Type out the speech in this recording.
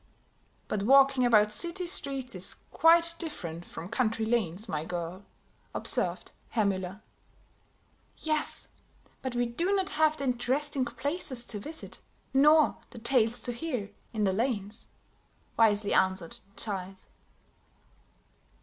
"But walking about city streets is quite different from country lanes, my girl," observed Herr Müller. "Yes, but we do not have the interesting places to visit, nor the tales to hear, in the lanes," wisely answered the child.